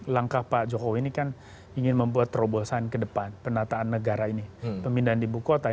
langkah pak jokowi ini kan ingin membuat terobosan kedepan penataan negara ini pembinaan di buku kota